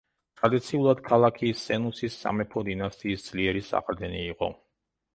ტრადიციულად, ქალაქი სენუსის სამეფო დინასტიის ძლიერი საყრდენი იყო.